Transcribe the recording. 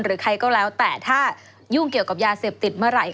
หรือใครก็แล้วแต่ถ้ายุ่งเกี่ยวกับยาเสพติดเมื่อไหร่